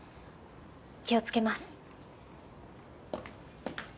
気を付けます。